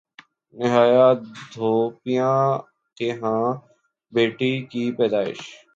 نیہا دھوپیا کے ہاں بیٹی کی پیدائش